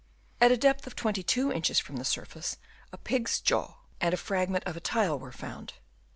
At a depth of 22 inches from the surface a pig's jaw and a fragment of a tile were found.